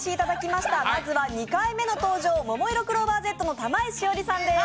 まずは２回目の登場、ももいろクローバーＺの玉井詩織さんです。